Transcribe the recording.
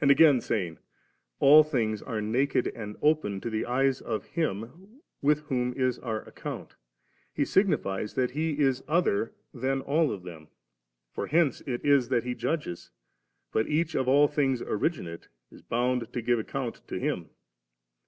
And again saying, * All things are naked and open to the eyes of Him with whom is our account,' he signifies that He is other than all of them. For hence it is that He judges, but each of all things originate is bound to give account to Him.